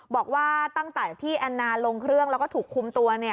บอกว่าตั้งแต่ที่แอนนาลงเครื่องแล้วก็ถูกคุมตัว